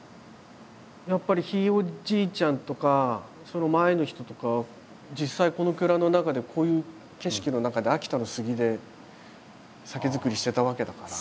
やっぱりひいおじいちゃんとかその前の人とか実際この蔵の中でこういう景色の中で秋田の杉で酒造りしてたわけだから。